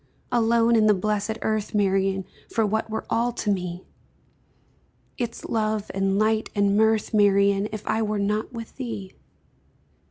Alone in the blessed Earth, Marian, For what were all to me Its love, and light, and mirth, Marian, If I were not with thee?